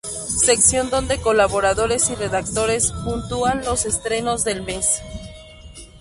Sección donde colaboradores y redactores puntúan los estrenos del mes.